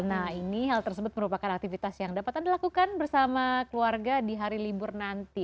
nah ini hal tersebut merupakan aktivitas yang dapat anda lakukan bersama keluarga di hari libur nanti